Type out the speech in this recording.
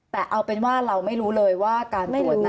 แต่เอาเป็นว่าเราไม่รู้เลยว่าการตรวจนั้น